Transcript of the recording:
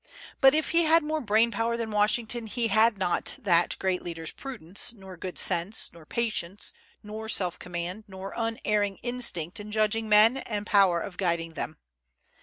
But if he had more brain power than Washington he had not that great leader's prudence, nor good sense, nor patience, nor self command, nor unerring instinct in judging men and power of guiding them.